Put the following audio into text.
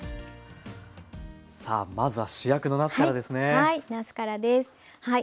さあまずは主役のなすからですね。